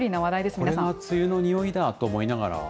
これが梅雨のにおいだと思いながら。